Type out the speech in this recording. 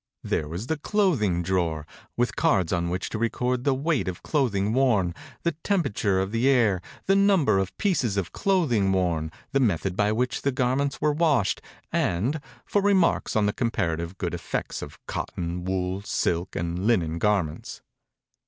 There was the clothing drawer, with cards on which to record the weight of clothing worn, the temperature of the air, the num ber of pieces of clothing worn, the method by which the gar ments were washed, and for re marks on the comparative good effects of cotton, wool, silk, and linen garments.